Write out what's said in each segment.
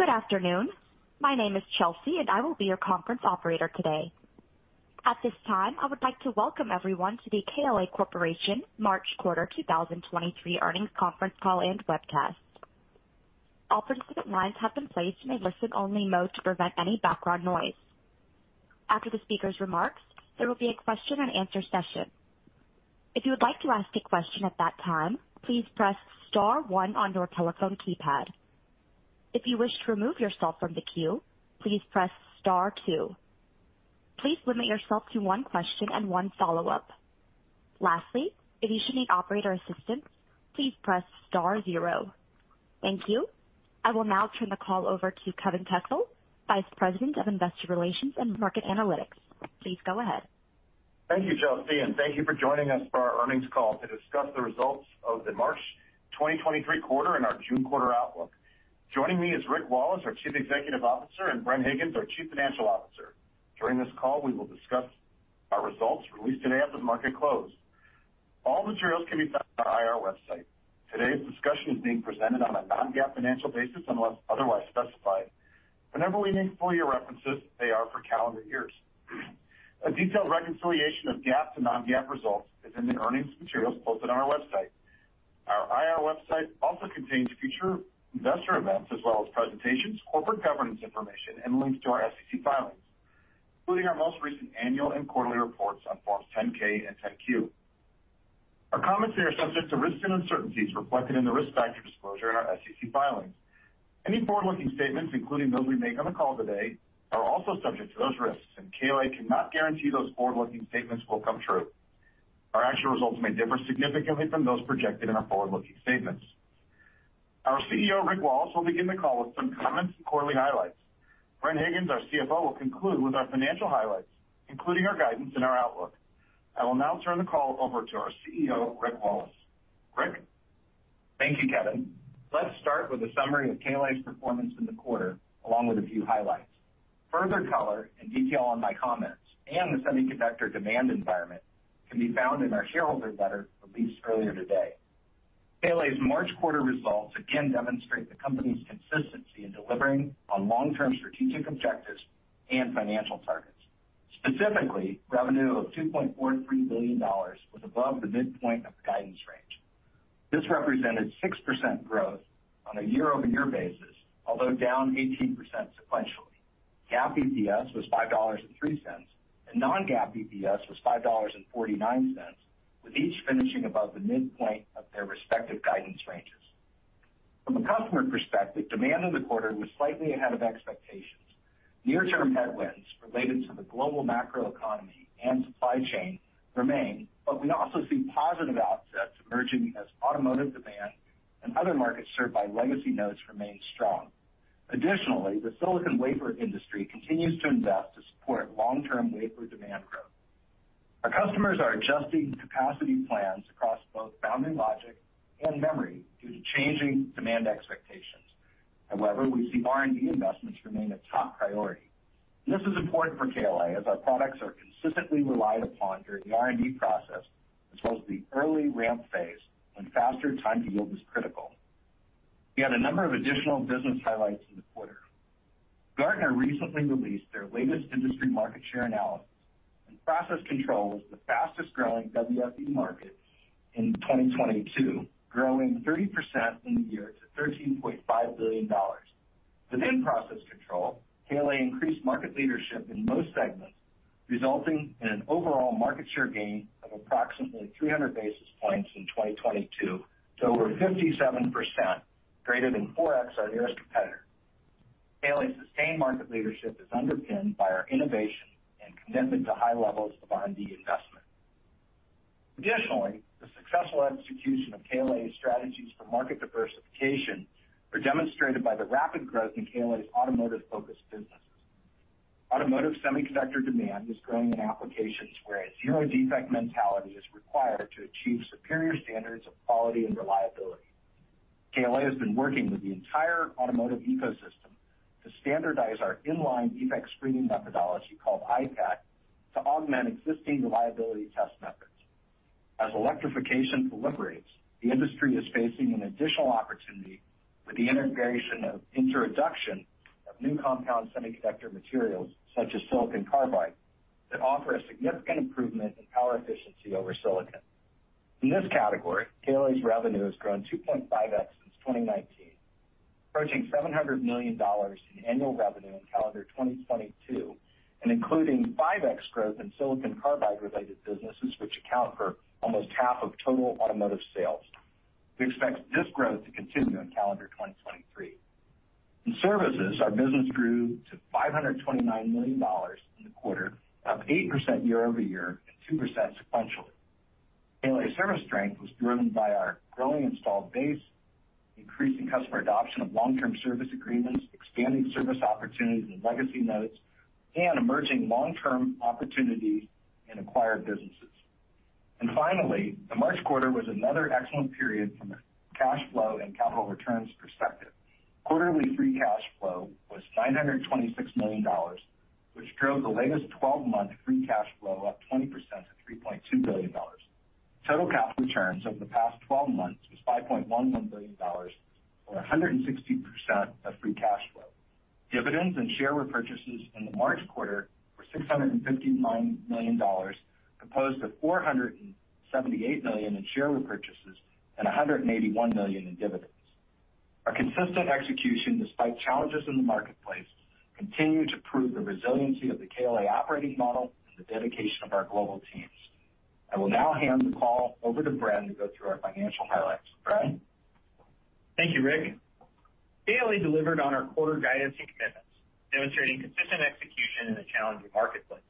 Good afternoon. My name is Chelsea. I will be your conference operator today. At this time, I would like to welcome everyone to the KLA Corporation March quarter 2023 earnings conference call and webcast. All participant lines have been placed in a listen-only mode to prevent any background noise. After the speaker's remarks, there will be a question-and-answer session. If you would like to ask a question at that time, please press star one on your telephone keypad. If you wish to remove yourself from the queue, please press star two. Please limit yourself to one question and one follow-up. Lastly, if you should need operator assistance, please press star zero. Thank you. I will now turn the call over to Kevin Kessel, Vice President of Investor Relations and Market Analytics. Please go ahead. Thank you, Chelsea, and thank you for joining us for our earnings call to discuss the results of the March 2023 quarter and our June quarter outlook. Joining me is Rick Wallace, our Chief Executive Officer, and Bren Higgins, our Chief Financial Officer. During this call, we will discuss our results released today after the market closed. All materials can be found on our IR website. Today's discussion is being presented on a non-GAAP financial basis unless otherwise specified. Whenever we make full year references, they are for calendar years. A detailed reconciliation of GAAP to non-GAAP results is in the earnings materials posted on our website. Our IR website also contains future investor events as well as presentations, corporate governance information, and links to our SEC filings, including our most recent annual and quarterly reports on Forms 10-K and 10-Q. Our comments here are subject to risks and uncertainties reflected in the risk factor disclosure in our SEC filings. Any forward-looking statements, including those we make on the call today, are also subject to those risks. KLA cannot guarantee those forward-looking statements will come true. Our actual results may differ significantly from those projected in our forward-looking statements. Our CEO, Rick Wallace, will begin the call with some comments and quarterly highlights. Bren Higgins, our CFO, will conclude with our financial highlights, including our guidance and our outlook. I will now turn the call over to our CEO, Rick Wallace. Rick? Thank you, Kevin. Let's start with a summary of KLA's performance in the quarter, along with a few highlights. Further color and detail on my comments and the semiconductor demand environment can be found in our shareholder letter released earlier today. KLA's March quarter results again demonstrate the company's consistency in delivering on long-term strategic objectives and financial targets. Specifically, revenue of $2.43 billion was above the midpoint of the guidance range. This represented 6% growth on a year-over-year basis, although down 18% sequentially. GAAP EPS was $5.03, and non-GAAP EPS was $5.49, with each finishing above the midpoint of their respective guidance ranges. From a customer perspective, demand in the quarter was slightly ahead of expectations. Near-term headwinds related to the global macroeconomy and supply chain remain, but we also see positive offsets emerging as automotive demand and other markets served by legacy nodes remain strong. The silicon wafer industry continues to invest to support long-term wafer demand growth. Our customers are adjusting capacity plans across both foundry logic and memory due to changing demand expectations. We see R&D investments remain a top priority. This is important for KLA as our products are consistently relied upon during the R&D process as well as the early ramp phase when faster time to yield is critical. We had a number of additional business highlights in the quarter. Gartner recently released their latest industry market share analysis, and process control was the fastest-growing WFE market in 2022, growing 30% in the year to $13.5 billion. Within process control, KLA increased market leadership in most segments, resulting in an overall market share gain of approximately 300 basis points in 2022 to over 57%, greater than 4x our nearest competitor. KLA's sustained market leadership is underpinned by our innovation and commitment to high levels of R&D investment. Additionally, the successful execution of KLA's strategies for market diversification are demonstrated by the rapid growth in KLA's automotive-focused businesses. Automotive semiconductor demand is growing in applications where a zero-defect mentality is required to achieve superior standards of quality and reliability. KLA has been working with the entire automotive ecosystem to standardize our in-line defect screening methodology called I-PAT to augment existing reliability test methods. As electrification proliferates, the industry is facing an additional opportunity with the integration of introduction of new compound semiconductor materials such as silicon carbide that offer a significant improvement in power efficiency over silicon. In this category, KLA's revenue has grown 2.5x since 2019, approaching $700 million in annual revenue in calendar 2022, and including 5x growth in silicon carbide-related businesses, which account for almost half of total automotive sales. We expect this growth to continue in calendar 2023. In services, our business grew to $529 million in the quarter, up 8% year-over-year and 2% sequentially. KLA service strength was driven by our growing installed base, increasing customer adoption of long-term service agreements, expanding service opportunities in legacy nodes, and emerging long-term opportunities in acquired businesses. Finally, the March quarter was another excellent period from a cash flow and capital returns perspective. Quarterly free cash flow was $926 million, which drove the latest 12-month free cash flow up 20% to $3.2 billion. Total cash returns over the past 12 months was $5.11 billion or 160% of free cash flow. Dividends and share repurchases in the March quarter were $659 million, composed of $478 million in share repurchases and $181 million in dividends. Our consistent execution despite challenges in the marketplace continue to prove the resiliency of the KLA operating model and the dedication of our global teams. I will now hand the call over to Bren to go through our financial highlights. Bren? Thank you, Rick. KLA delivered on our quarter guidance and commitments, demonstrating consistent execution in a challenging marketplace.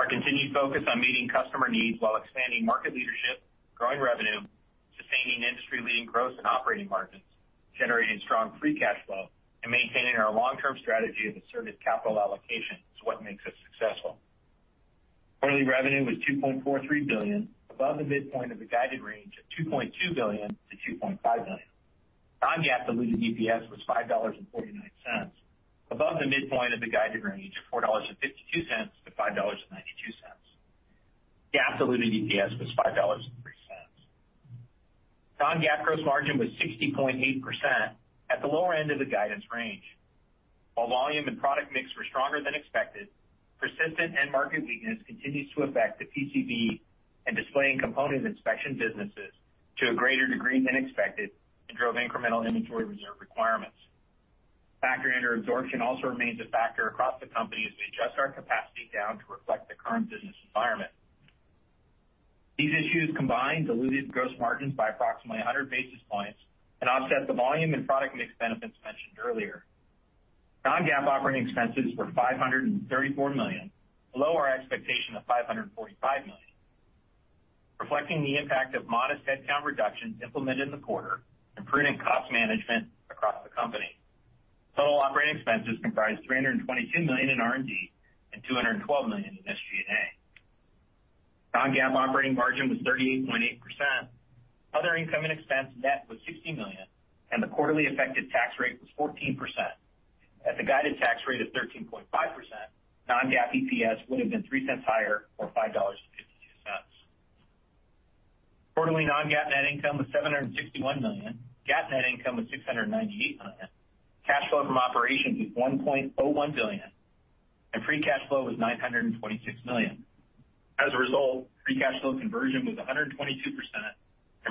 Our continued focus on meeting customer needs while expanding market leadership, growing revenue, sustaining industry-leading growth in operating margins, generating strong free cash flow, and maintaining our long-term strategy of conservative capital allocation is what makes us successful. Quarterly revenue was $2.43 billion, above the midpoint of the guided range of $2.2 billion-$2.5 billion. Non-GAAP diluted EPS was $5.49, above the midpoint of the guided range of $4.52-$5.92. GAAP diluted EPS was $5.03. Non-GAAP gross margin was 60.8% at the lower end of the guidance range. While volume and product mix were stronger than expected, persistent end market weakness continues to affect the PCB and display and component inspection businesses to a greater degree than expected, and drove incremental inventory reserve requirements. Factor under absorption also remains a factor across the company as we adjust our capacity down to reflect the current business environment. These issues combined diluted gross margins by approximately 100 basis points and offset the volume and product mix benefits mentioned earlier. Non-GAAP operating expenses were $534 million, below our expectation of $545 million, reflecting the impact of modest headcount reductions implemented in the quarter and prudent cost management across the company. Total operating expenses comprised $322 million in R&D and $212 million in SG&A. Non-GAAP operating margin was 38.8%. Other income and expense net was $60 million. The quarterly effective tax rate was 14%. At the guided tax rate of 13.5%, non-GAAP EPS would have been $0.03 higher, or $5.52. Quarterly non-GAAP net income was $761 million. GAAP net income was $698 million. Cash flow from operations was $1.01 billion. Free cash flow was $926 million. As a result, free cash flow conversion was 122%.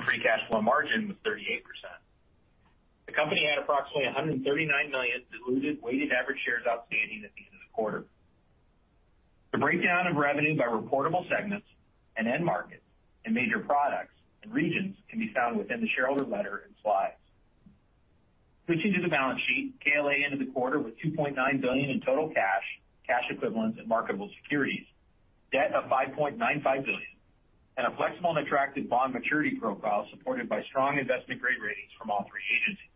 Free cash flow margin was 38%. The company had approximately 139 million diluted weighted average shares outstanding at the end of the quarter. The breakdown of revenue by reportable segments and end markets and major products and regions can be found within the shareholder letter and slides. Switching to the balance sheet, KLA ended the quarter with $2.9 billion in total cash equivalents and marketable securities, debt of $5.95 billion, and a flexible and attractive bond maturity profile supported by strong investment-grade ratings from all three agencies.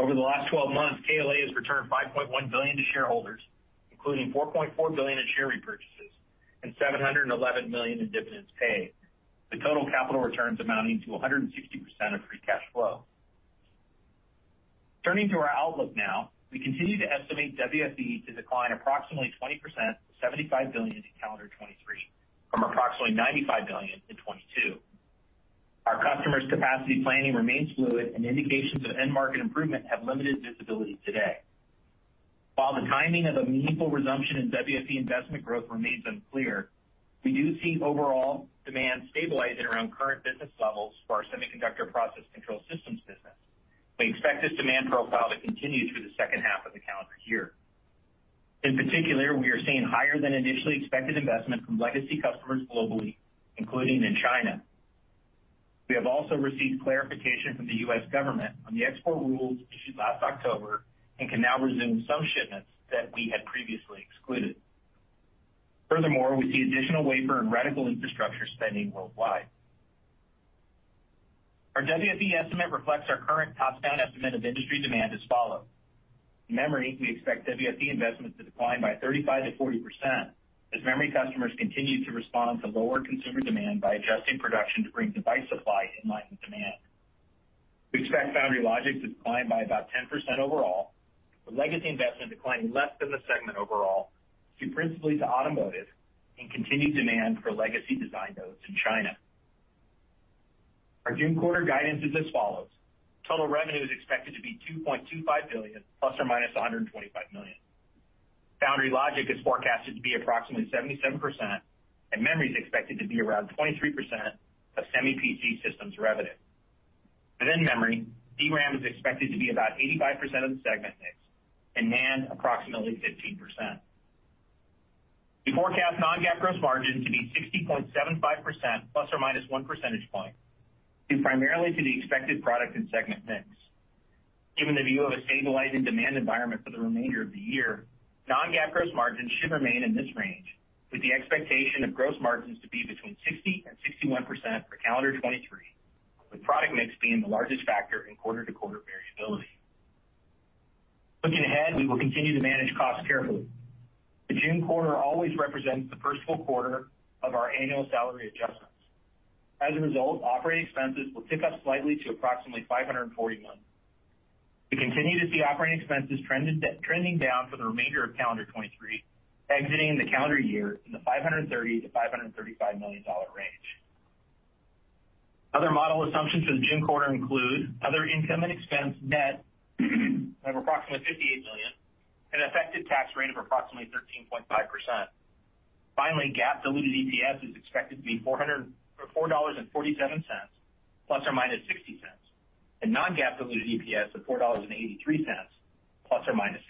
Over the last 12 months, KLA has returned $5.1 billion to shareholders, including $4.4 billion in share repurchases and $711 million in dividends paid. The total capital returns amounting to 160% of free cash flow. Turning to our outlook now, we continue to estimate WFE to decline approximately 20% to $75 billion in calendar 2023, from approximately $95 billion in 2022. Our customers' capacity planning remains fluid and indications of end market improvement have limited visibility today. While the timing of a meaningful resumption in WFE investment growth remains unclear, we do see overall demand stabilizing around current business levels for our semiconductor process control systems business. We expect this demand profile to continue through the second half of the calendar year. In particular, we are seeing higher than initially expected investment from legacy customers globally, including in China. We have also received clarification from the U.S. government on the export rules issued last October and can now resume some shipments that we had previously excluded. Furthermore, we see additional wafer and reticle infrastructure spending worldwide. Our WFE estimate reflects our current top-down estimate of industry demand as follows. In memory, we expect WFE investments to decline by 35%-40% as memory customers continue to respond to lower consumer demand by adjusting production to bring device supply in line with demand. We expect foundry logic to decline by about 10% overall, with legacy investment declining less than the segment overall, due principally to automotive and continued demand for legacy design nodes in China. Our June quarter guidance is as follows: Total revenue is expected to be $2.25 billion, ±$125 million. Foundry logic is forecasted to be approximately 77%, and memory is expected to be around 23% of Semi PC Systems revenue. Within memory, DRAM is expected to be about 85% of the segment mix, and NAND approximately 15%. We forecast non-GAAP gross margin to be 60.75%, ±1 percentage point, due primarily to the expected product and segment mix. Given the view of a stabilizing demand environment for the remainder of the year, non-GAAP gross margin should remain in this range, with the expectation of gross margins to be between 60% and 61% for calendar 2023, with product mix being the largest factor in quarter-to-quarter variability. Looking ahead, we will continue to manage costs carefully. The June quarter always represents the first full quarter of our annual salary adjustments. Operating expenses will tick up slightly to approximately $540 million. We continue to see operating expenses trending down for the remainder of calendar 2023, exiting the calendar year in the $530 million-$535 million range. Other model assumptions for the June quarter include other income and expense net of approximately $58 million, an effective tax rate of approximately 13.5%. GAAP diluted EPS is expected to be $4.47 ±$0.60, and non-GAAP diluted EPS of $4.83 ±$0.60.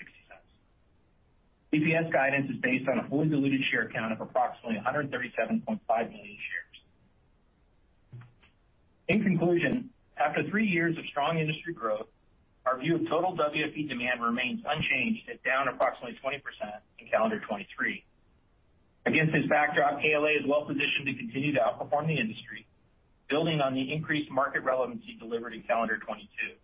EPS guidance is based on a fully diluted share count of approximately 137.5 million shares. After three years of strong industry growth, our view of total WFE demand remains unchanged at down approximately 20% in calendar 2023. Against this backdrop, KLA is well positioned to continue to outperform the industry, building on the increased market relevancy delivered in calendar 2022.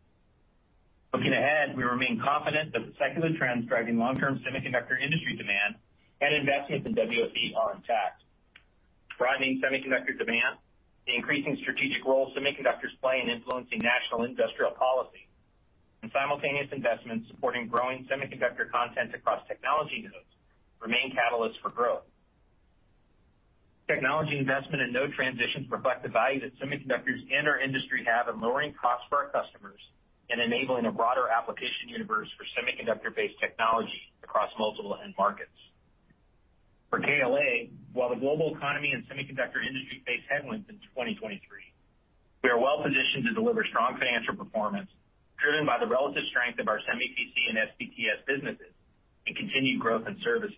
We remain confident that the secular trends driving long-term semiconductor industry demand and investments in WFE are intact. Driving semiconductor demand, the increasing strategic role semiconductors play in influencing national industrial policy, and simultaneous investments supporting growing semiconductor content across technology nodes remain catalysts for growth. Technology investment and node transitions reflect the value that semiconductors and our industry have in lowering costs for our customers and enabling a broader application universe for semiconductor-based technology across multiple end markets. For KLA, while the global economy and semiconductor industry face headwinds in 2023, we are well positioned to deliver strong financial performance driven by the relative strength of our Semi PC and SPTS businesses and continued growth in services.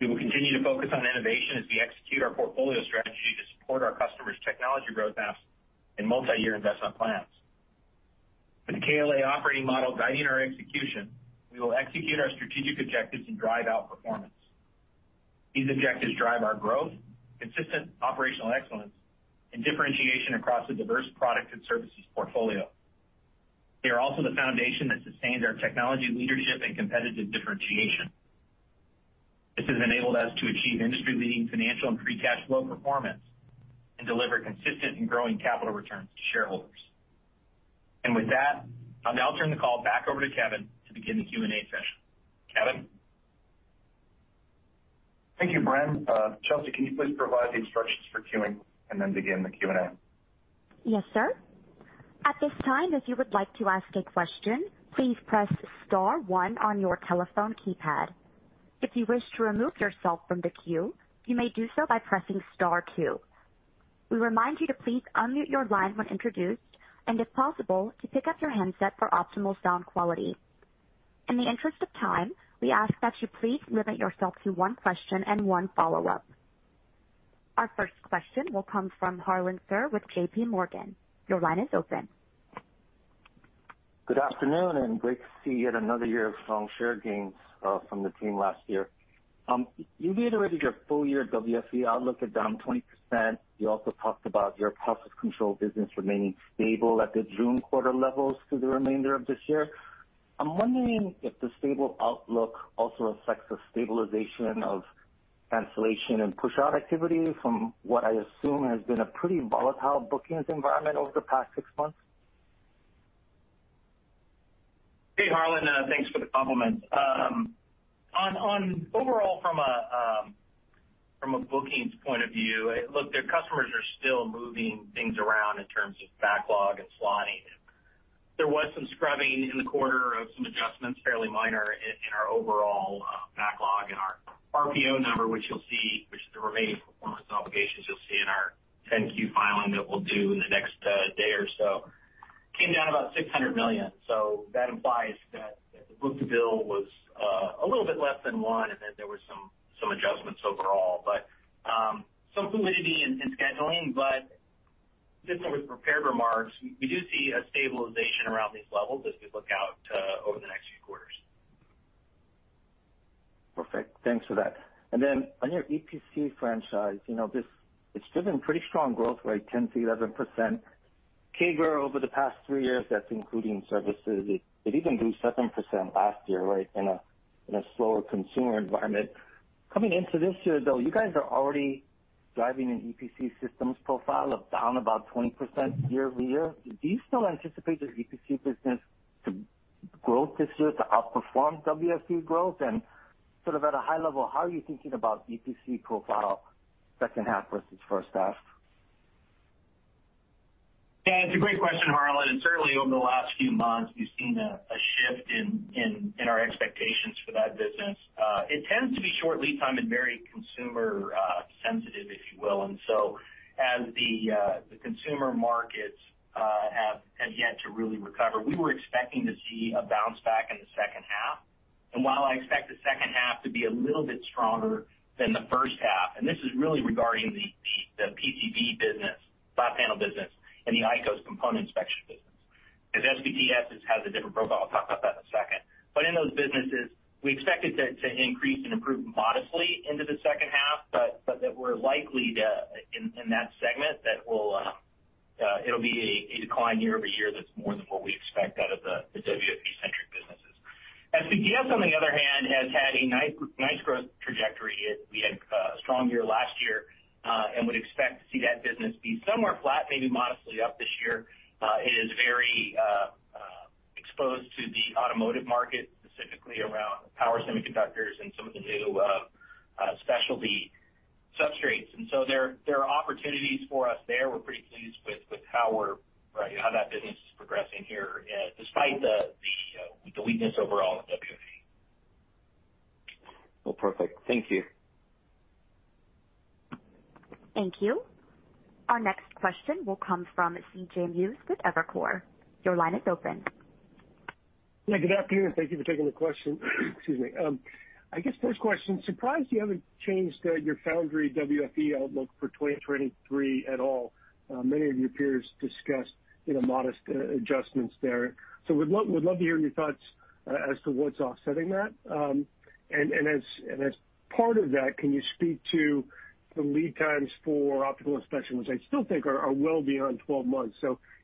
We will continue to focus on innovation as we execute our portfolio strategy to support our customers' technology roadmaps and multiyear investment plans. With the KLA operating model guiding our execution, we will execute our strategic objectives and drive outperformance. These objectives drive our growth, consistent operational excellence, and differentiation across a diverse product and services portfolio. They are also the foundation that sustains our technology leadership and competitive differentiation. This has enabled us to achieve industry-leading financial and free cash flow performance and deliver consistent and growing capital returns to shareholders. With that, I'll now turn the call back over to Kevin to begin the Q&A session. Kevin. Thank you, Bren Higgins. Chelsea, can you please provide the instructions for queuing and then begin the Q&A? Yes, sir. At this time, if you would like to ask a question, please press star one on your telephone keypad. If you wish to remove yourself from the queue, you may do so by pressing star two. We remind you to please unmute your line when introduced and if possible, to pick up your handset for optimal sound quality. In the interest of time, we ask that you please limit yourself to one question and one follow-up. Our first question will come from Harlan Sur with JPMorgan. Your line is open. Good afternoon, great to see yet another year of strong share gains from the team last year. You've reiterated your full year WFE outlook at down 20%. You also talked about your process control business remaining stable at the June quarter levels through the remainder of this year. I'm wondering if the stable outlook also reflects a stabilization of cancellation and push-out activity from what I assume has been a pretty volatile bookings environment over the past six months. Hey, Harlan, thanks for the compliment. On overall from a bookings point of view, look, their customers are still moving things around in terms of backlog and slotting. There was some scrubbing in the quarter of some adjustments, fairly minor in our overall backlog and our RPO number, which you'll see, which is the remaining performance obligations you'll see in our 10-Q filing that we'll do in the next day or so. Came down about $600 million. That implies that the book-to-bill was a little bit less than one, and then there were some adjustments overall. Some fluidity in scheduling, but consistent with prepared remarks, we do see a stabilization around these levels as we look out over the next few quarters. Perfect. Thanks for that. On your EPC franchise, you know, it's driven pretty strong growth rate, 10%-11% CAGR over the past three years. That's including services. It even grew 7% last year, right, in a, in a slower consumer environment. Coming into this year, though, you guys are already driving an EPC systems profile of down about 20% year-over-year. Do you still anticipate your EPC business to growth this year to outperform WFE growth? Sort of at a high level, how are you thinking about EPC profile second half versus first half? Yeah, it's a great question, Harlan. And certainly over the last few months, we've seen a shift in our expectations for that business. It tends to be short lead time and very consumer sensitive, if you will. As the consumer markets have yet to really recover, we were expecting to see a bounce back in the second half. And while I expect the second half to be a little bit stronger than the first half, and this is really regarding the PCB business, flat panel business, and the ICOS component inspection business, 'cause SPTS has a different profile. I'll talk about that in a second. In those businesses, we expect it to increase and improve modestly into the second half, but that we're likely to, in that segment, that we'll, it'll be a decline year-over-year that's more than what we expect out of the WFE-centric businesses. SPTS, on the other hand, has had a nice growth trajectory. We had a strong year last year, and would expect to see that business be somewhere flat, maybe modestly up this year. It is very exposed to the automotive market, specifically around power semiconductors and some of the new specialty substrates. So there are opportunities for us there. We're pretty pleased with how that business is progressing here, despite the weakness overall in WFE. Well, perfect. Thank you. Thank you. Our next question will come from C.J. Muse with Evercore. Your line is open. Good afternoon. Thank you for taking the question. Excuse me. I guess first question, surprised you haven't changed your foundry WFE outlook for 2023 at all. Many of your peers discussed, you know, modest adjustments there. Would love to hear your thoughts as to what's offsetting that. And as part of that, can you speak to the lead times for optical inspection, which I still think are well beyond 12 months.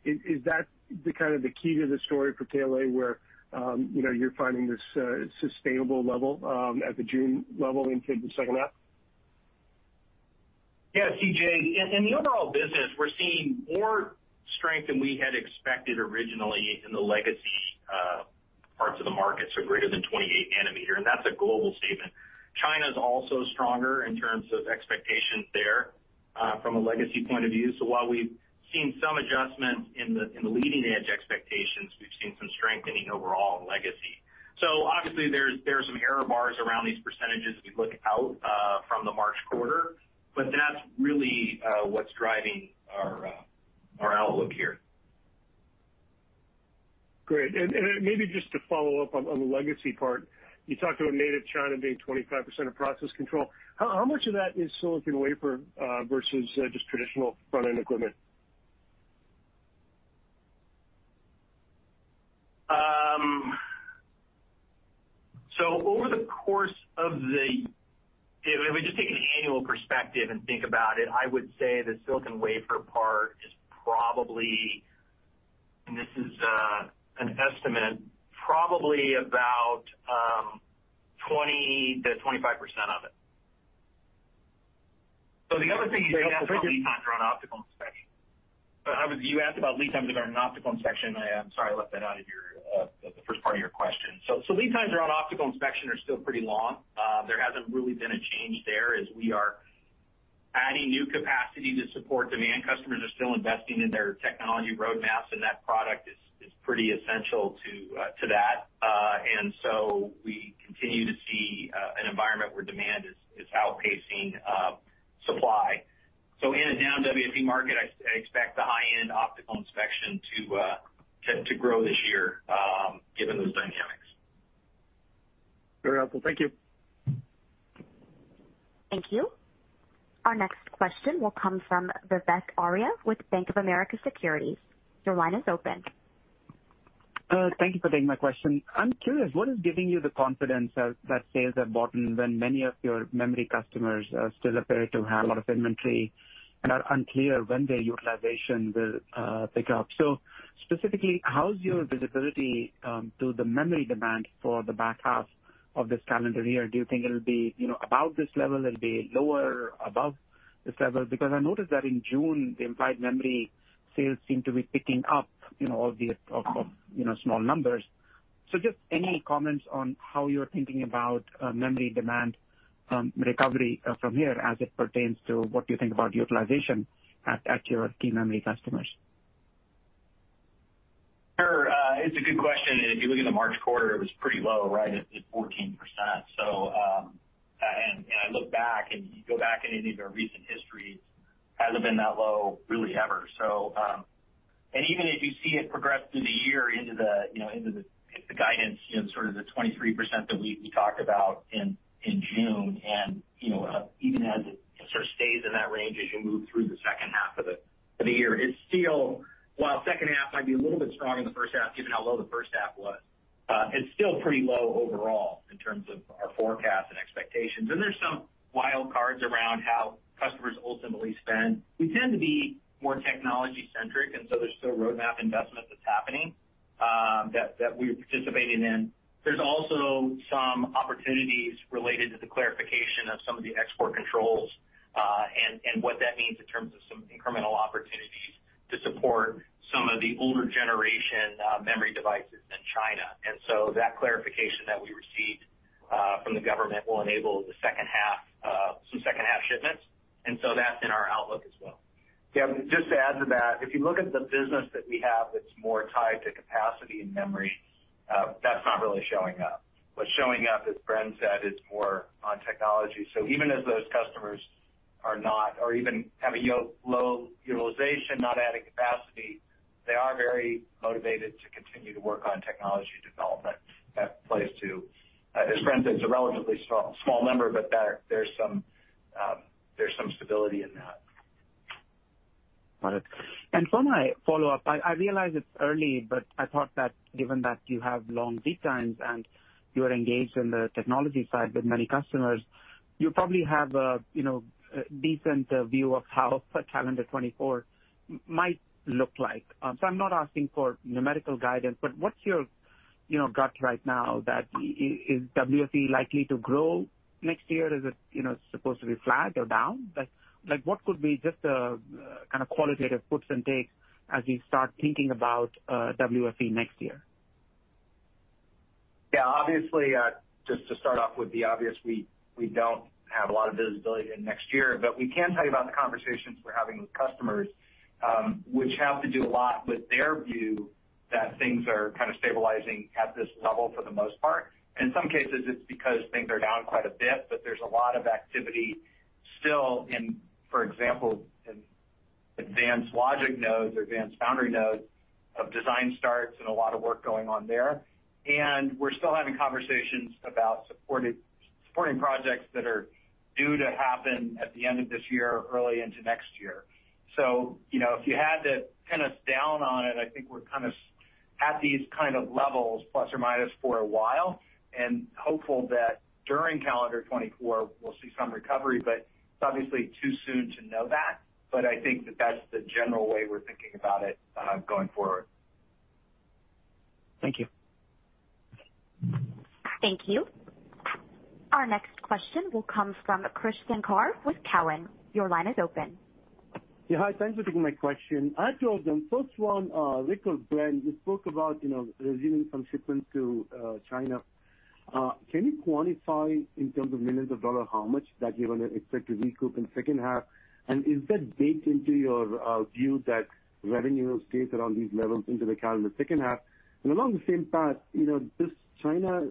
Is that the kind of the key to the story for KLA, where, you know, you're finding this sustainable level at the June level into the second half? Yeah, C.J. In the overall business, we're seeing more strength than we had expected originally in the legacy parts of the market, so greater than 28 nm, and that's a global statement. China's also stronger in terms of expectations there from a legacy point of view. While we've seen some adjustment in the leading edge expectations, we've seen some strengthening overall in legacy. Obviously, there's some error bars around these percentages as we look out from the March quarter, but that's really what's driving our outlook here. Great. Maybe just to follow up on the legacy part. You talked about native China being 25% of process control. How much of that is silicon wafer versus just traditional front-end equipment? Over the course of the... If we just take an annual perspective and think about it, I would say the silicon wafer part is probably, and this is an estimate, probably about 20%-25% of it. The other thing you asked about lead times around optical inspection. You asked about lead times around optical inspection. I am sorry, I left that out of your the first part of your question. Lead times around optical inspection are still pretty long. There hasn't really been a change there as we are adding new capacity to support demand. Customers are still investing in their technology roadmaps, and that product is pretty essential to that. We continue to see an environment where demand is outpacing supply. In a down WFE market, I expect the high-end optical inspection to grow this year, given those dynamics. Very helpful. Thank you. Thank you. Our next question will come from Vivek Arya with Bank of America Securities. Your line is open. Thank you for taking my question. I'm curious, what is giving you the confidence that sales have bottomed when many of your memory customers still appear to have a lot of inventory and are unclear when their utilization will pick up? Specifically, how's your visibility to the memory demand for the back half of this calendar year? Do you think it'll be, you know, about this level, it'll be lower, above this level? I noticed that in June, the implied memory sales seem to be picking up, you know, off the, you know, small numbers. Just any comments on how you're thinking about memory demand recovery from here as it pertains to what you think about utilization at your key memory customers. Sure. It's a good question. If you look at the March quarter, it was pretty low, right? At 14%. And I look back, and you go back into even our recent history, hasn't been that low really ever. And even as you see it progress through the year into the, you know, into the guidance, you know, sort of the 23% that we talked about in June, and, you know, even as it sort of stays in that range as you move through the second half of the, of the year, it's still, while second half might be a little bit stronger than the first half, given how low the first half was, it's still pretty low overall in terms of our forecast and expectations. There's some wild cards around how customers ultimately spend. We tend to be more technology-centric, there's still roadmap investment that's happening, that we're participating in. There's also some opportunities related to the clarification of some of the export controls, and what that means in terms of some incremental opportunities to support some of the older generation, memory devices in China. That clarification that we received, from the government will enable the second half, some second half shipments. That's in our outlook as well. Yeah. Just to add to that, if you look at the business that we have that's more tied to capacity and memory, that's not really showing up. What's showing up, as Bren said, is more on technology. Even as those customers are not or even have low utilization, not adding capacity, they are very motivated to continue to work on technology development. That plays to, as Bren said, it's a relatively small number, but there's some stability in that. Got it. For my follow-up, I realize it's early, but I thought that given that you have long lead times and you are engaged in the technology side with many customers, you probably have a, you know, a decent view of how calendar 24 might look like. I'm not asking for numerical guidance, but what's your. You know, gut right now that is WFE likely to grow next year? Is it, you know, supposed to be flat or down? Like what could be just a kind of qualitative puts and takes as we start thinking about WFE next year? Obviously, just to start off with the obvious, we don't have a lot of visibility in next year, but we can tell you about the conversations we're having with customers, which have to do a lot with their view that things are kind of stabilizing at this level for the most part. In some cases, it's because things are down quite a bit, but there's a lot of activity still in, for example, in advanced logic nodes or advanced foundry nodes of design starts and a lot of work going on there. We're still having conversations about supporting projects that are due to happen at the end of this year, early into next year. You know, if you had to pin us down on it, I think we're kind of at these kind of levels plus or minus for a while, and hopeful that during calendar 2024 we'll see some recovery. It's obviously too soon to know that. I think that that's the general way we're thinking about it going forward. Thank you. Thank you. Our next question will come from Krish Sankar with Cowen. Your line is open. Yeah. Hi. Thanks for taking my question. I have two of them. First one, Rick or Bren, you spoke about, you know, resuming some shipments to China. Can you quantify in terms of millions of dollars, how much that you're gonna expect to recoup in second half? Is that baked into your view that revenue stays around these levels into the calendar second half? Along the same path, you know, this China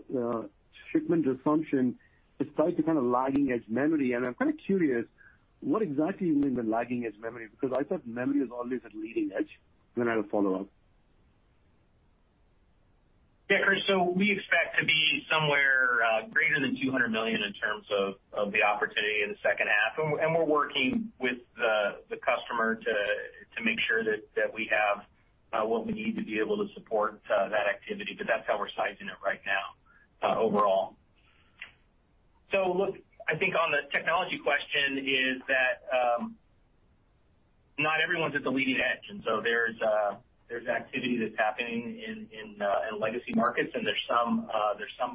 shipment assumption, it strikes me kind of lagging as memory, and I'm kind of curious what exactly you mean by lagging as memory, because I thought memory is always at leading edge. I have a follow-up. Yeah, Krish. We expect to be somewhere greater than $200 million in terms of the opportunity in the second half. We're working with the customer to make sure that we have what we need to be able to support that activity. That's how we're sizing it right now overall. Look, I think on the technology question is that not everyone's at the leading edge, there's activity that's happening in legacy markets, and there's some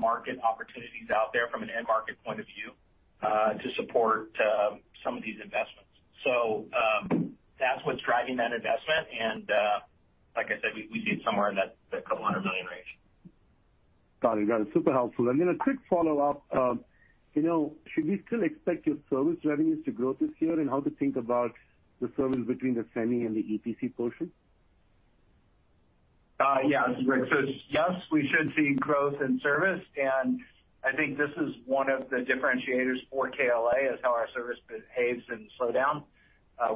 market opportunities out there from an end market point of view to support some of these investments. That's what's driving that investment. Like I said, we see it somewhere in that $200 million range. Got it. Got it. Super helpful. Then a quick follow-up. You know, should we still expect your service revenues to grow this year? How to think about the service between the semi and the EPC portion? Yes, this is Rick. Yes, we should see growth in service, and I think this is one of the differentiators for KLA is how our service behaves in slowdown.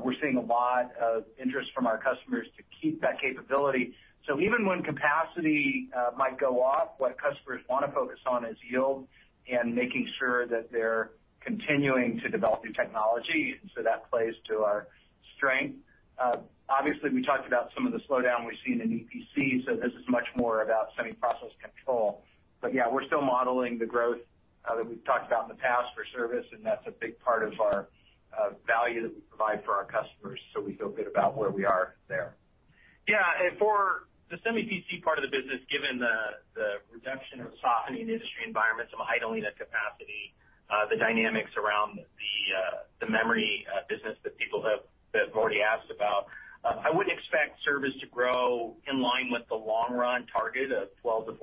We're seeing a lot of interest from our customers to keep that capability. Even when capacity might go off, what customers wanna focus on is yield and making sure that they're continuing to develop new technology, and so that plays to our strength. Obviously, we talked about some of the slowdown we've seen in EPC, so this is much more about semi process control. Yeah, we're still modeling the growth that we've talked about in the past for service, and that's a big part of our value that we provide for our customers, so we feel good about where we are there. Yeah. For the Semi PC part of the business, given the reduction or softening industry environment, some idling of capacity, the dynamics around the memory business that people have already asked about, I wouldn't expect service to grow in line with the long run target of 12%-14%.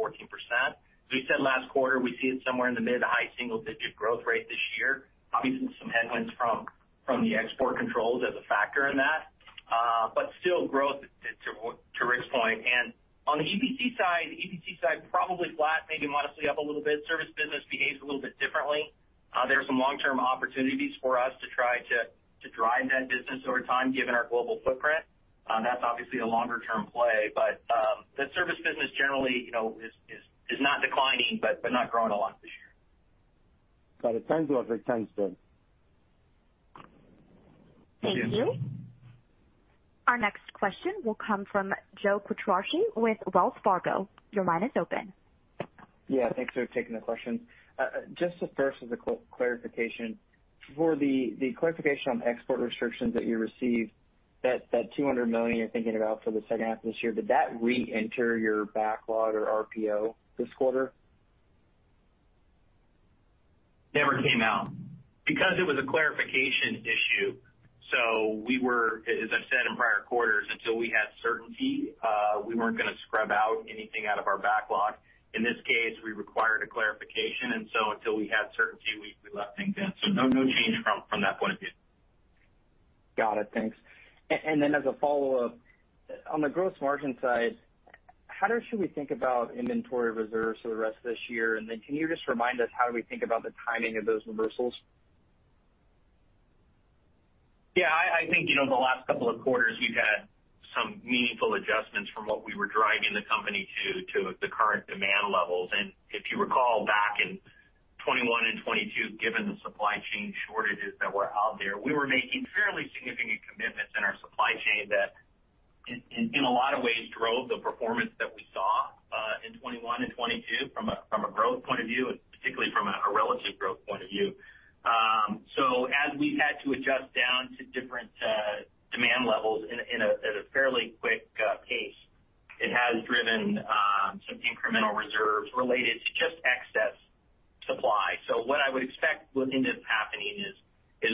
As we said last quarter, we see it somewhere in the mid to high single-digit growth rate this year. Obviously, some headwinds from the export controls as a factor in that, but still growth to Rick's point. On the EPC side, probably flat, maybe modestly up a little bit. Service business behaves a little bit differently. There are some long-term opportunities for us to try to drive that business over time, given our global footprint. That's obviously a longer-term play, but the service business generally, you know, is not declining, but not growing a lot this year. Got it. Thank you, Rick. Thanks, Bren. Thank you. Our next question will come from Joe Quatrochi with Wells Fargo. Your line is open. Thanks for taking the question. Just the first is a clarification. For the clarification on export restrictions that you received, that $200 million you're thinking about for the second half of this year, did that reenter your backlog or RPO this quarter? Never came out because it was a clarification issue, we were, as I've said in prior quarters, until we had certainty, we weren't gonna scrub out anything out of our backlog. In this case, we required a clarification, until we had certainty, we left things in. No change from that point of view. Got it. Thanks. As a follow-up, on the gross margin side, how should we think about inventory reserves for the rest of this year? Can you just remind us how do we think about the timing of those reversals? Yeah. I think, you know, the last couple of quarters you've had some meaningful adjustments from what we were driving the company to the current demand levels. If you recall back in 2021 and 2022, given the supply chain shortages that were out there, we were making fairly significant commitments in our supply chain that in a lot of ways drove the performance that we saw in 2021 and 2022 from a growth point of view. From a growth point of view. As we've had to adjust down to different demand levels in a fairly quick pace, it has driven some incremental reserves related to just excess supply. What I would expect looking to happening is,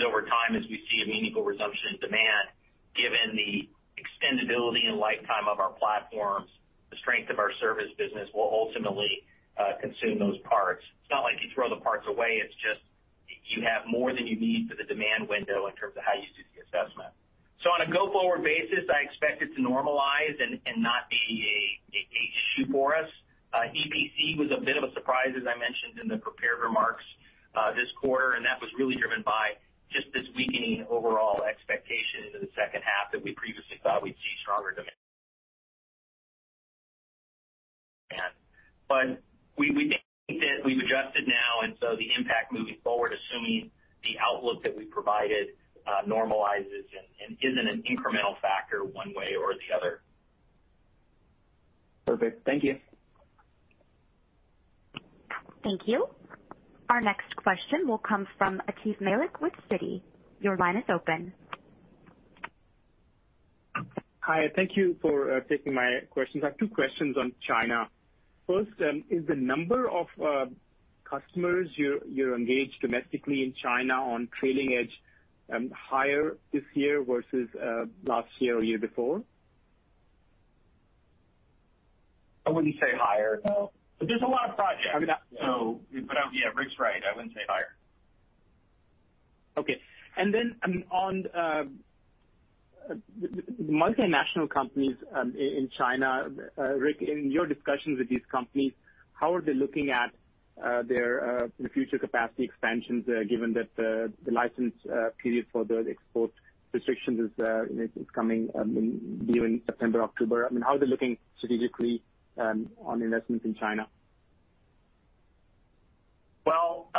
over time, as we see a meaningful resumption in demand, given the extendibility and lifetime of our platforms, the strength of our service business will ultimately consume those parts. It's not like you throw the parts away, it's just you have more than you need for the demand window in terms of how you do the assessment. On a go-forward basis, I expect it to normalize and not be a issue for us. EPC was a bit of a surprise, as I mentioned in the prepared remarks, this quarter, and that was really driven by just this weakening overall expectation into the second half that we previously thought we'd see stronger demand. We think that we've adjusted now, the impact moving forward, assuming the outlook that we provided, normalizes and isn't an incremental factor one way or the other. Perfect. Thank you. Thank you. Our next question will come from Atif Malik with Citi. Your line is open. Hi, thank you for taking my questions. I have two questions on China. First, is the number of customers you're engaged domestically in China on trailing edge higher this year versus last year or year before? I wouldn't say higher, no. There's a lot of projects. Okay. Yeah, Rick's right. I wouldn't say higher. Okay. I mean, on the multinational companies in China, Rick, in your discussions with these companies, how are they looking at their future capacity expansions, given that the license period for the export restrictions is coming, I mean, due in September, October? I mean, how are they looking strategically, on investments in China? Well,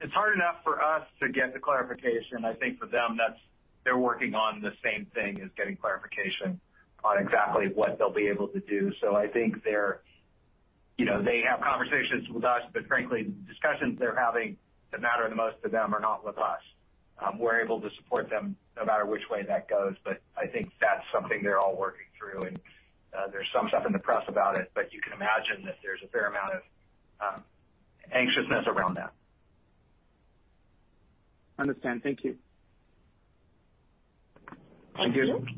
it's hard enough for us to get the clarification. I think for them, that's they're working on the same thing as getting clarification on exactly what they'll be able to do. I think they're, you know, they have conversations with us, but frankly, the discussions they're having that matter the most to them are not with us. We're able to support them no matter which way that goes. I think that's something they're all working through, and there's some stuff in the press about it, you can imagine that there's a fair amount of anxiousness around that. Understand. Thank you. Thank you. Thank you.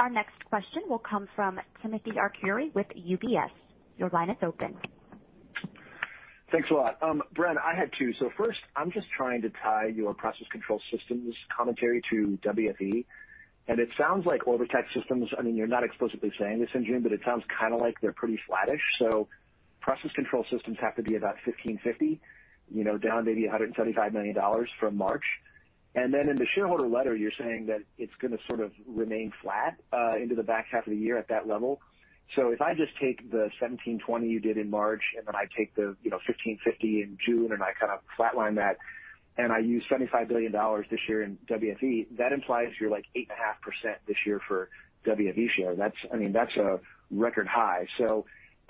Our next question will come from Timothy Arcuri with UBS. Your line is open. Thanks a lot. Bren, I had two. First, I'm just trying to tie your process control systems commentary to WFE. It sounds like Orbotech systems, I mean, you're not explicitly saying this in June, but it sounds kinda like they're pretty flattish. Process control systems have to be about $1,550, you know, down maybe $175 million from March. In the shareholder letter, you're saying that it's gonna sort of remain flat into the back half of the year at that level. If I just take the $1,720 you did in March, and then I take the, you know, $1,550 in June, and I kinda flatline that, and I use $75 billion this year in WFE, that implies you're like 8.5% this year for WFE share. That's, I mean, that's a record high.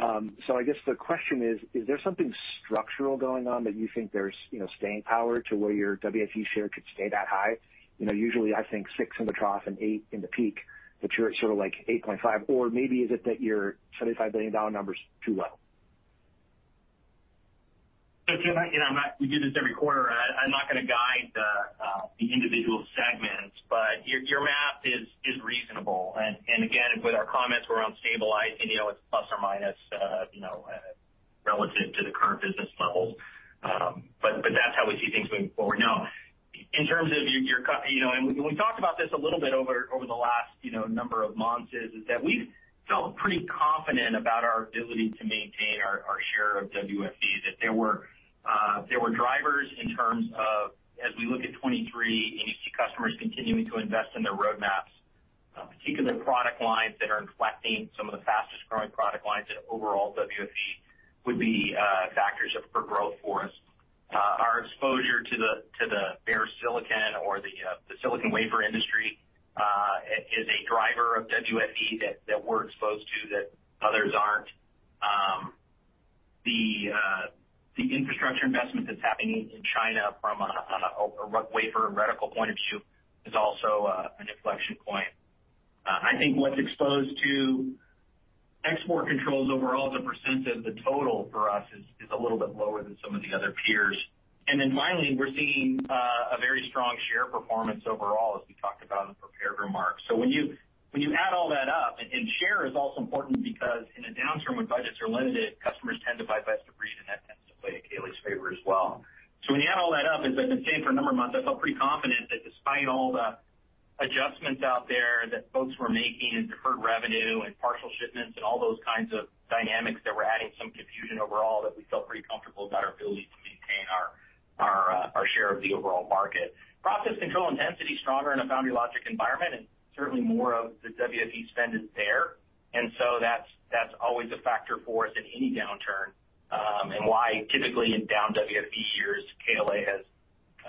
I guess the question is there something structural going on that you think there's, you know, staying power to where your WFE share could stay that high? You know, usually I think six in the trough and eight in the peak, but you're at sort of like 8.5. Maybe is it that your $75 billion number's too low? Tim, I, you know, we do this every quarter. I'm not gonna guide the individual segments, your math is reasonable. Again, with our comments, we're on stabilizing, you know, it's plus or minus, you know, relative to the current business levels. That's how we see things moving forward. In terms of your, you know, and we talked about this a little bit over the last, you know, number of months, is that we felt pretty confident about our ability to maintain our share of WFE. That there were drivers in terms of as we look at 2023, you need to see customers continuing to invest in their roadmaps, particularly product lines that are inflecting some of the fastest-growing product lines in overall WFE would be factors of, for growth for us. Our exposure to the, to the bare silicon or the silicon wafer industry is a driver of WFE that we're exposed to that others aren't. The infrastructure investment that's happening in China from a wafer and reticle point of view is also an inflection point. I think what's exposed to export controls overall as a percent of the total for us is a little bit lower than some of the other peers. Finally, we're seeing a very strong share performance overall, as we talked about in the prepared remarks. When you add all that up, and share is also important because in a downturn when budgets are limited, customers tend to buy best of breed, and that tends to play KLA's favor as well. When you add all that up, as I've been saying for a number of months, I felt pretty confident that despite all the adjustments out there that folks were making in deferred revenue and partial shipments and all those kinds of dynamics that were adding some confusion overall, that we felt pretty comfortable about our ability to maintain our share of the overall market. Process control intensity is stronger in a foundry logic environment, and certainly more of the WFE spend is there, and so that's always a factor for us in any downturn, and why typically in down WFE years, KLA has.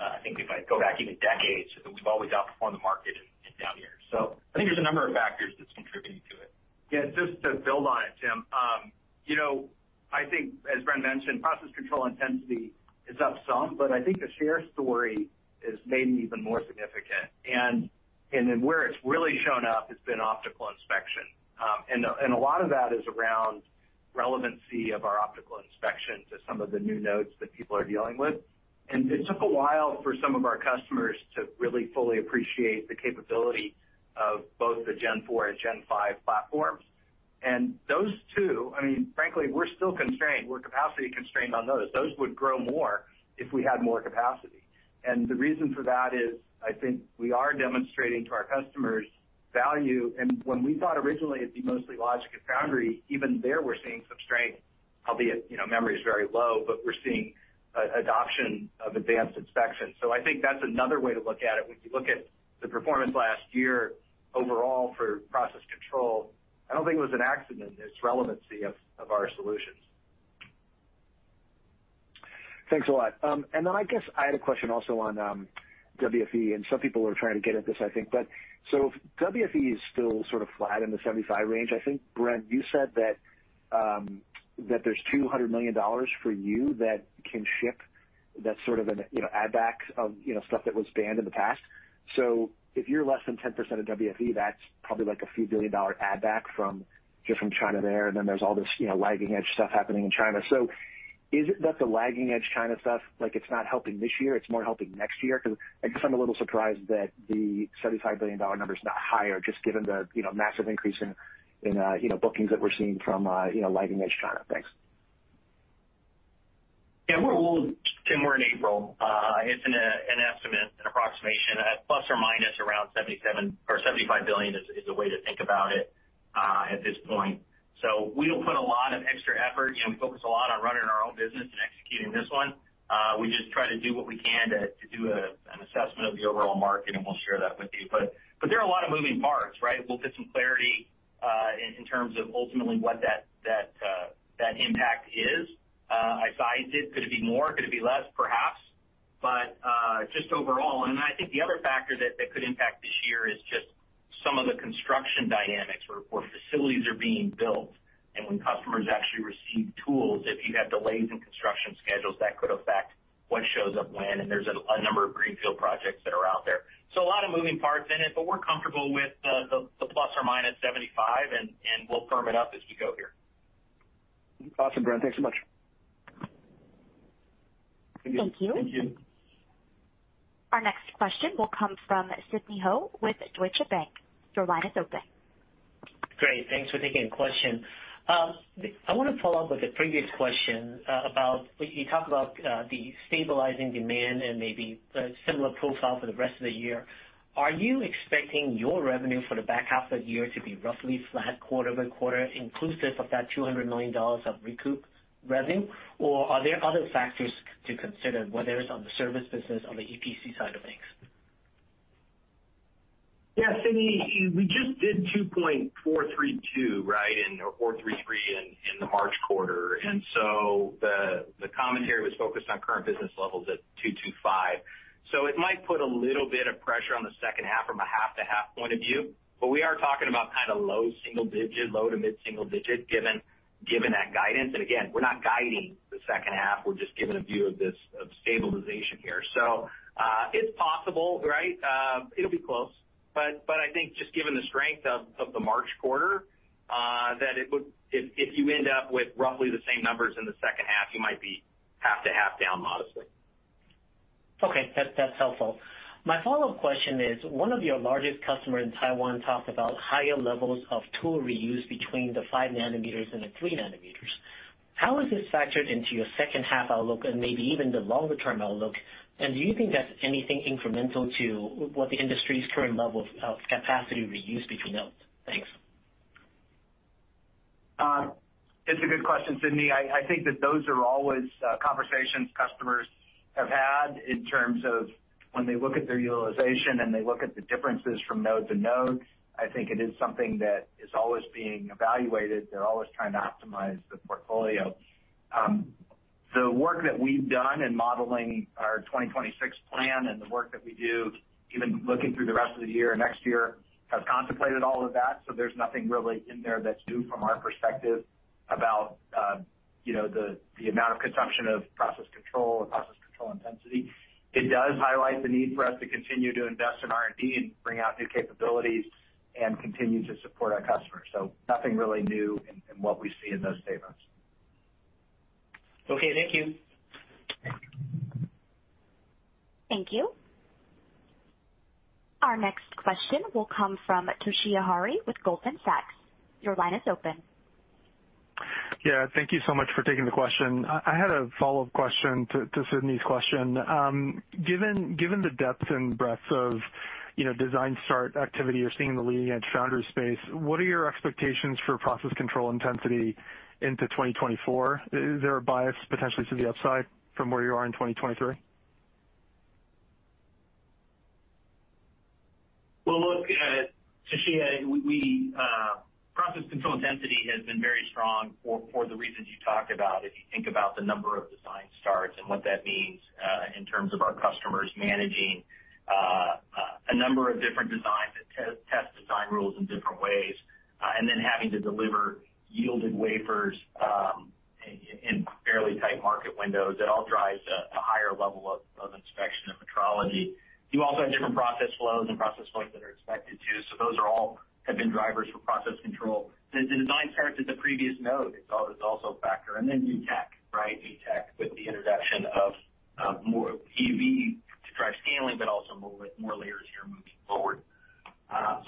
I think if I go back even decades, we've always outperformed the market in down years. I think there's a number of factors that's contributing to it. Just to build on it, Tim, you know, I think as Bren mentioned, process control intensity is up some, I think the share story is maybe even more significant. Then where it's really shown up has been optical inspection. A lot of that is around relevancy of our optical inspection to some of the new nodes that people are dealing with. It took a while for some of our customers to really fully appreciate the capability of both the Gen 4 and Gen 5 platforms. Those two, I mean, frankly, we're still constrained. We're capacity constrained on those. Those would grow more if we had more capacity. The reason for that is, I think we are demonstrating to our customers value. When we thought originally it'd be mostly logical foundry, even there, we're seeing some strength, albeit, you know, memory is very low, but we're seeing adoption of advanced inspection. I think that's another way to look at it. When you look at the performance last year overall for process control, I don't think it was an accident. It's relevancy of our solutions. Thanks a lot. I guess I had a question also on WFE, and some people are trying to get at this, I think. WFE is still sort of flat in the 75 range. I think, Bren Higgins, you said that there's $200 million for you that can ship that sort of an, you know, add back of, you know, stuff that was banned in the past. If you're less than 10% of WFE, that's probably like a few billion dollar add back from just from China there, and then there's all this, you know, lagging edge stuff happening in China. Is it that the lagging edge China stuff, like it's not helping this year, it's more helping next year? I guess I'm a little surprised that the $75 billion number is not higher, just given the, you know, massive increase in, you know, bookings that we're seeing from, you know, lagging edge China. Thanks. Yeah, we'll Tim, we're in April. It's an estimate, an approximation at ± around $77 billion or $75 billion is a way to think about it at this point. We don't put a lot of extra effort. You know, we focus a lot on running our own business and executing this one. We just try to do what we can to do an assessment of the overall market, and we'll share that with you. There are a lot of moving parts, right? We'll get some clarity in terms of ultimately what that impact is. I sized it. Could it be more? Could it be less, perhaps. Just overall, and I think the other factor that could impact this year is just some of the construction dynamics where facilities are being built, and when customers actually receive tools. If you have delays in construction schedules, that could affect what shows up when, and there's a number of greenfield projects that are out there. A lot of moving parts in it, but we're comfortabe with the ±75, and we'll firm it up as we go here. Awesome, Bren. Thanks so much. Thank you. Thank you. Our next question will come from Sidney Ho with Deutsche Bank. Your line is open. Great. Thanks for taking the question. I wanna follow up with the previous question about when you talk about the stabilizing demand and maybe a similar profile for the rest of the year. Are you expecting your revenue for the back half of the year to be roughly flat quarter-over-quarter, inclusive of that $200 million of recoup revenue? Are there other factors to consider, whether it's on the service business, on the EPC side of things? Yeah, Sidney, we just did $2.432, right? Or $4.33 in the March quarter. The commentary was focused on current business levels at $2.25. It might put a little bit of pressure on the second half from a half-to-half point of view. We are talking about kinda low single digit, low to mid single digit given that guidance. Again, we're not guiding the second half. We're just giving a view of this, of stabilization here. It's possible, right? It'll be close. I think just given the strength of the March quarter, if you end up with roughly the same numbers in the second half, you might be half to half down modestly. That's helpful. My follow-up question is, one of your largest customer in Taiwan talked about higher levels of tool reuse between the 5 nm and the 3 nm How is this factored into your second half outlook and maybe even the longer term outlook? Do you think that's anything incremental to what the industry's current level of capacity reuse between nodes? Thanks. It's a good question, Sidney. I think that those are always conversations customers have had in terms of when they look at their utilization and they look at the differences from node to node, I think it is something that is always being evaluated. They're always trying to optimize the portfolio. The work that we've done in modeling our 2026 plan and the work that we do, even looking through the rest of the year and next year, have contemplated all of that. There's nothing really in there that's new from our perspective about, you know, the amount of consumption of process control or process control intensity. It does highlight the need for us to continue to invest in R&D and bring out new capabilities and continue to support our customers. Nothing really new in what we see in those statements. Okay. Thank you. Thank you. Our next question will come from Toshiya Hari with Goldman Sachs. Your line is open. Thank you so much for taking the question. I had a follow-up question to Sidney's question. Given, given the depth and breadth of, you know, design start activity you're seeing in the leading edge foundry space, what are your expectations for process control intensity into 2024? Is there a bias potentially to the upside from where you are in 2023? Well, look, Toshiya, we process control density has been very strong for the reasons you talked about. If you think about the number of design starts and what that means in terms of our customers managing a number of different designs that test design rules in different ways, and then having to deliver yielded wafers in fairly tight market windows, it all drives a higher level of inspection and metrology. You also have different process flows that are expected to, those are all have been drivers for process control. The design starts at the previous node is also a factor, new tech, right? New tech with the introduction of more EUV to drive scaling, but also more layers here moving forward.